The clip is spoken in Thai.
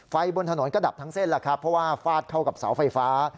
ไฟบนถนนก็ดับทั้งเส้นเพราะว่าฟาดเข้ากับเสาไฟฟ้า